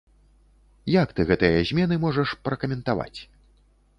Як ты гэтыя змены можаш пракаментаваць?